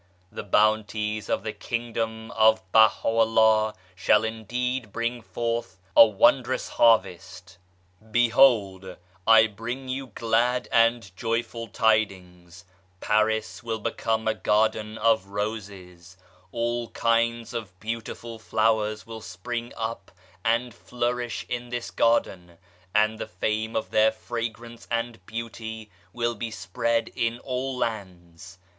The bounties of the Kingdom of Baha'u'llah shall indeed bring forth a wondrous harvest 1 Behold ! I bring you glad and joyful tidings ! Paris will become a garden of Roses 1 All kinds of beautiful flowers will spring up and flourish in this garden, and the fame of their fragrance and beauty will be spread in all lands.